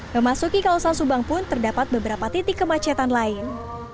memasuki kawasan subang pun terdapat beberapa titik kemacetan lain